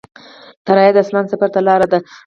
الوتکه د اسمان سفر ته لاره ده.